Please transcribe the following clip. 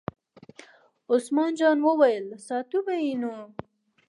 عثمان جان وویل: ساتو به یې نو.